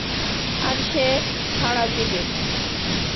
আর সেও সাড়া দিছে।